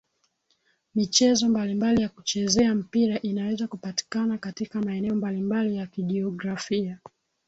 Michezo mbalimbali ya kuchezea mpira inaweza kupatikana katika maeneo mbalimbali ya kijiografia